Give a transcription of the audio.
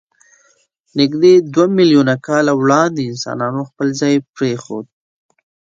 نږدې دوه میلیونه کاله وړاندې انسانانو خپل ځای پرېښود.